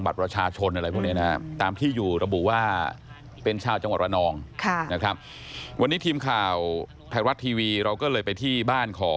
บัตรประชาชนอะไรพวกเนี่ยนะครับ